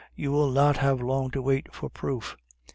You will not have long to wait for proof.